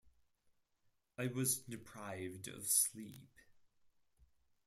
I was deprived of sleep.